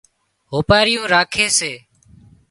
هوپارِيُون راکي سي